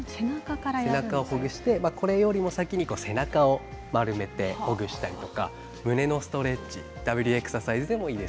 背中をほぐして背中を丸めて、ほぐしたりとか胸のストレッチ、Ｗエクササイズでもいいです。